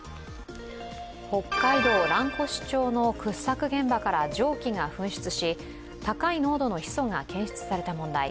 北海道蘭越町の掘削現場から蒸気が噴出し、高い濃度のヒ素が検出された問題。